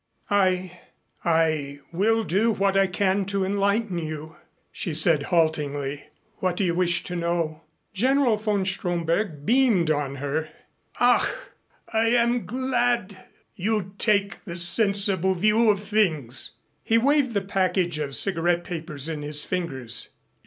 "I I will do what I can to enlighten you," she said haltingly. "What do you wish to know?" General von Stromberg beamed on her. "Ach, I am glad you take the sensible view of things." He waved the package of cigarette papers in his fingers.